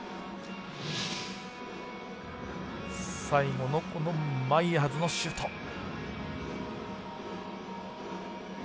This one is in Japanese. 最後の、マイヤーズのシュート。